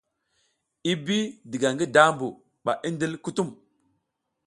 I bi diga ngi dambu ɓa i ndil kutum.